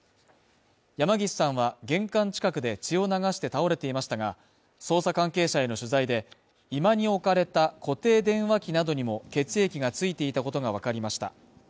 山岸さんは玄関近くで血を流して倒れていましたが、捜査関係者への取材で居間に置かれた固定電話機などにも血液がついていたことがわかりました。